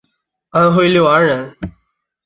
安徽六安人。